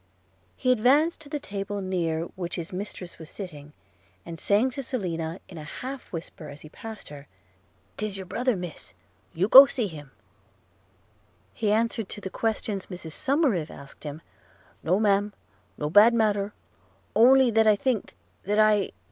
– He advanced to the table near which his mistress was sitting, and saying to Selina in an half whisper as he passed her – ''Tis your brother, miss, you go see him,' he answered to the questions Mrs Somerive asked him – 'No, Ma'am – no bad matter – only that I thinked, that I